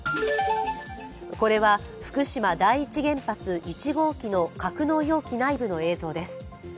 これは福島第一原発１号機の格納容器内部の映像です。